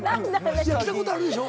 着たことあるでしょ？